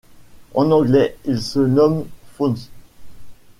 En anglais ils se nomment Fauns.